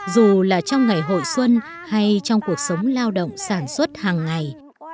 dù là trong ngày hội xuân hay trong cuộc sống lao động sản xuất hàng ngày